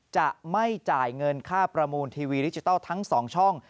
จะไม่จ่ายเงินค่าประมูลทีวีดิจิทัลทั้ง๒ช่อง